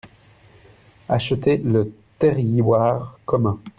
Acheter le terrioire commun.